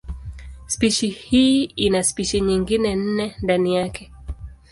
Spishi hii ina spishi nyingine nne ndani yake.